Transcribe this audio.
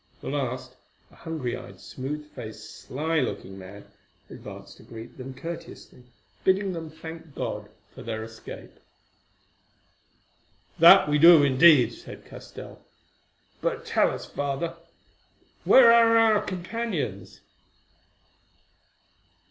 The last, a hungry eyed, smooth faced, sly looking man, advanced to greet them courteously, bidding them thank God for their escape. "That we do indeed," said Castell; "but tell us, Father, where are our companions?"